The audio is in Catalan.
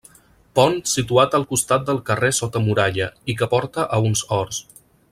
Pont situat al costat del carrer Sota Muralla, i que porta a uns horts.